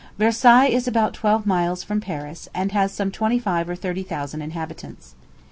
Versailles is about twelve miles from Paris, and has some twenty five or thirty thousand inhabitants.